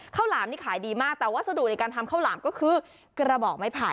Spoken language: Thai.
หลามนี่ขายดีมากแต่วัสดุในการทำข้าวหลามก็คือกระบอกไม้ไผ่